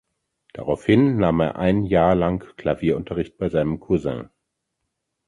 Daraufhin nahm er ein Jahr lang Klavierunterricht bei seinem Cousin.